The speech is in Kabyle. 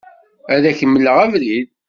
Ad ak-d-mleɣ abrid.